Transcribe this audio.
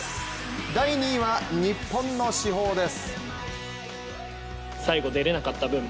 第２位は、日本の至宝です。